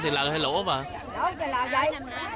này lỡ tụt dây chứ là dây